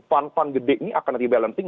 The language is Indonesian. fund fund gede ini akan rebalancing